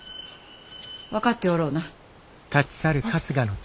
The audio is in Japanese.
分かっておろうな！